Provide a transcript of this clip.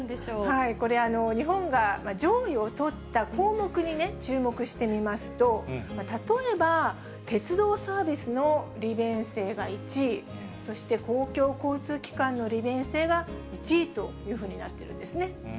これ、日本が上位をとった項目に注目してみますと、例えば、鉄道サービスの利便性が１位、そして公共交通機関の利便性が１位というふうになっているんです